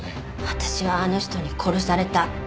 私はあの人に殺された。